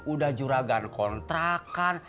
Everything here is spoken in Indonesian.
udah juragan kontrakan